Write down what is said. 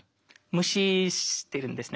無視してるんですね